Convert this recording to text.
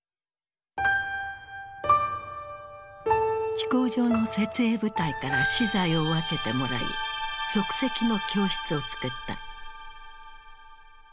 飛行場の設営部隊から資材を分けてもらい即席の教室を作った。